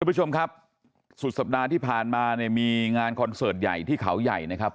ผู้ชมครับสุดสัปดาห์ที่ผ่านมาเนี่ยมีงานคอนเสิร์ตใหญ่ที่เขาใหญ่นะครับ